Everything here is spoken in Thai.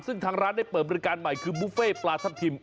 ซึ่งทางร้านได้เปิดบริการใหม่คือบุฟเฟ่ปลาทับทิม